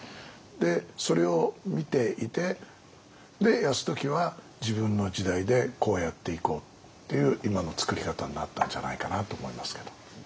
でそれを見ていて泰時は自分の時代でこうやっていこうっていう今の作り方になったんじゃないかなと思いますけど。